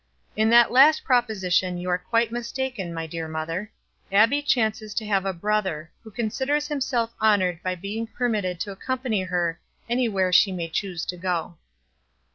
"In that last proposition you are quite mistaken, my dear mother. Abbie chances to have a brother, who considers himself honored by being permitted to accompany her any where she may choose to go."